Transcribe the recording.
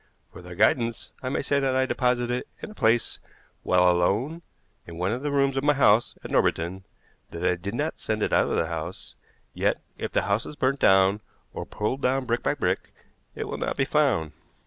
For their guidance I may say that I deposited it in this place while alone in one of the rooms of my house at Norbiton, that I did not send it out of the house, yet if the house is burnt down, or pulled down brick by brick, it will not be found."